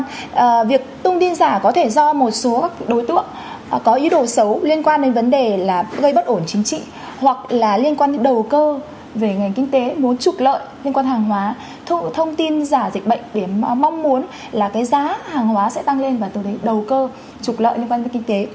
vì vậy việc tung tin giả có thể do một số đối tượng có ý đồ xấu liên quan đến vấn đề là gây bất ổn chính trị hoặc là liên quan đến đầu cơ về ngành kinh tế muốn trục lợi liên quan hàng hóa thông tin giả dịch bệnh để mong muốn là cái giá hàng hóa sẽ tăng lên và từ đấy đầu cơ trục lợi liên quan đến kinh tế